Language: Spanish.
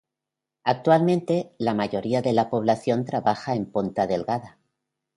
Actualmente, la mayoría de la población trabaja en Ponta Delgada.